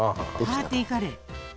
パーティーカレー。